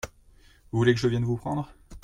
Vous voulez que je vienne vous prendre ?